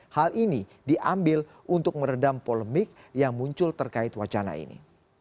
hal ini diambil untuk meredam polemik yang muncul terkait wacana ini